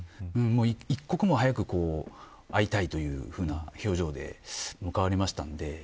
一刻も早く会いたいという表情で向かわれました。